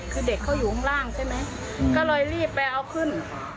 คือเด็กเขาอยู่ข้างล่างใช่ไหมก็เลยรีบไปเอาขึ้น